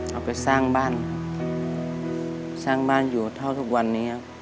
เอาไปสร้างบ้านสร้างบ้านอยู่เท่าทุกวันนี้ครับ